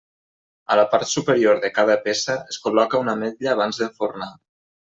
A la part superior de cada peça es col·loca una ametlla abans d'enfornar.